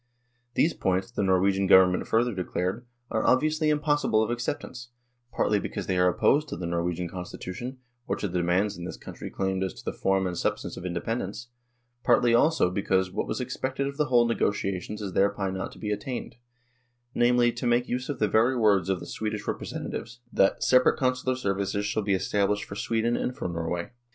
These points, the .Norwegian Government further declared, are obviously impossible of accept ance, " partly because they are opposed to the Nor wegian constitution, or to the demands in this country claimed as to the form and substance of independence, partly also because what was expected of the whole negotiations is thereby not to be attained namely, to make use of the very words of the Swedish repre sentatives, that ' Separate Consular services shall be established for Sweden and for Norway.